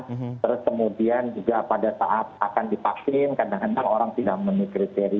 terus kemudian juga pada saat akan divaksin kadang kadang orang tidak memenuhi kriteria